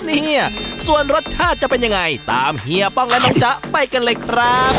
เนี่ยส่วนรสชาติจะเป็นยังไงตามเฮียป้องและน้องจ๊ะไปกันเลยครับ